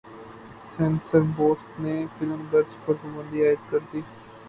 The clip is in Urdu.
سنسر بورڈ نے فلم درج پر پابندی عائد کر دی